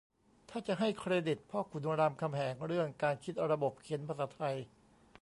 ถ้าจะให้เครดิตพ่อขุนรามคำแหงเรื่องการคิดระบบเขียนภาษาไทย